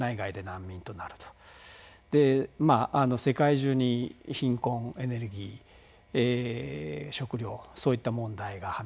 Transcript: で世界中に貧困エネルギー食料そういった問題がはびこる。